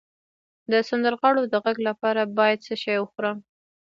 د سندرغاړو د غږ لپاره باید څه شی وخورم؟